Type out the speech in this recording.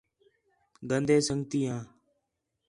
گندے سنڳتیں آ